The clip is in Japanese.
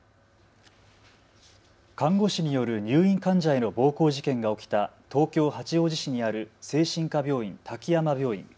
看護師による入院患者への暴行事件が起きた東京八王子市にある精神科病院、滝山病院。